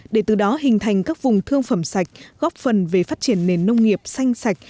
để từ đó hình thành các vùng thương phẩm sạch góp phần về phát triển nền nông nghiệp xanh sạch